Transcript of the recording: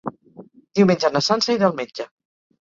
Diumenge na Sança irà al metge.